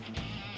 dari jual gambar